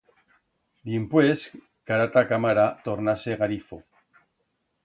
Dimpués cara t'a camara torna a ser garifo.